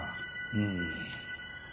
うん。